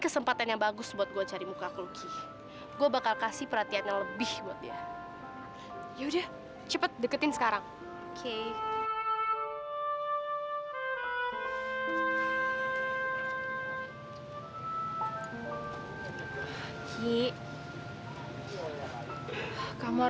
sampai jumpa di video selanjutnya